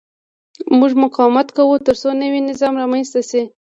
موږ مقاومت کوو ترڅو نوی نظام رامنځته شي.